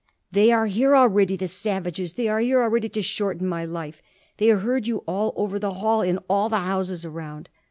"They are here already, the savages! They are here already to shorten my life! They heard you all over the hall, in all the houses around!"